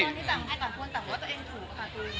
ตอนที่ต่างให้ต่างพูดต่างพูดว่าเจ้าเองถูกค่ะตุ้ง